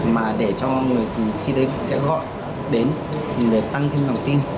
mà để cho người kỹ thuật sẽ gọi đến để tăng thêm lòng tin